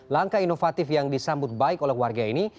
langkah inovatif yang disambut baik oleh warga ini